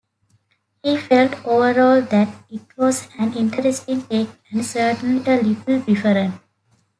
He felt overall that it was an interesting take and certainly a little different.